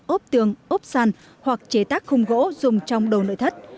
ốp tường ốp sàn hoặc chế tác khung gỗ dùng trong đồ nội thất